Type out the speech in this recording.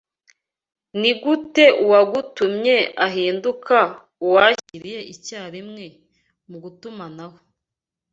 Nigute uwagutumye ahinduka uwakiriye icyarimwe mugutumanaho